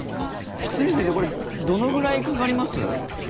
久住先生これ、どのくらいかかります？